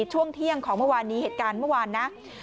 ช่วงเที่ยงของเหตุการณ์เมื่อวานนะ